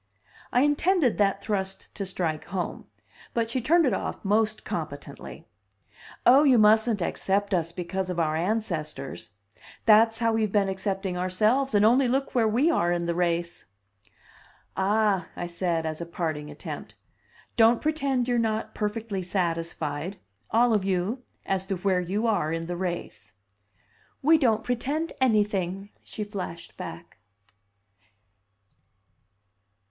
I intended that thrust to strike home, but she turned it off most competently. "Oh, you mustn't accept us because of our ancestors. That's how we've been accepting ourselves, and only look where we are in the race!" "Ah!" I said, as a parting attempt, "don't pretend you're not perfectly satisfied all of you as to where you are in the race!" "We don't pretend anything!" she flashed back.